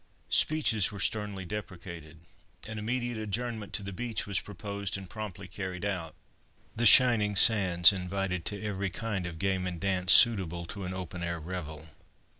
Speeches were sternly deprecated; an immediate adjournment to the beach was proposed and promptly carried out. The shining sands invited to every kind of game and dance suitable to an open air revel.